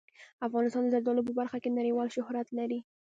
افغانستان د زردالو په برخه کې نړیوال شهرت لري.